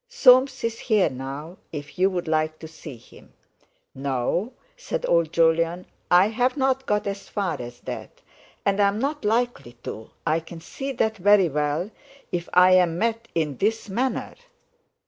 Soames is here now if you'd like to see him." "No," said old Jolyon, "I haven't got as far as that; and I'm not likely to, I can see that very well if I'm met in this manner!"